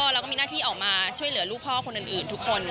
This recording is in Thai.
เราก็มีหน้าที่ออกมาช่วยเหลือลูกพ่อคนอื่นทุกคน